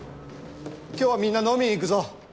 今日はみんな飲み行くぞ。